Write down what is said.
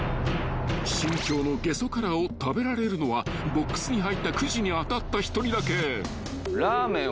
［新京のゲソカラを食べられるのはボックスに入ったくじに当たった１人だけ］